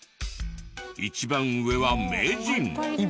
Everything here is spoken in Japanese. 一番上は名人。